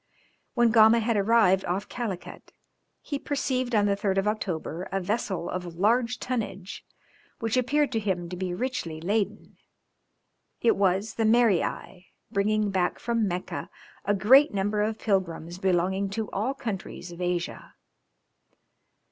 When Gama had arrived off Calicut, he perceived on the 3rd of October a vessel of large tonnage, which appeared to him to be richly laden. It was the Merii bringing back from Mecca a great number of pilgrims belonging to all the countries of Asia.